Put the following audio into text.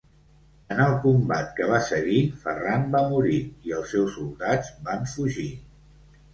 En el combat que va seguir Ferran va morir i els seus soldats van fugir.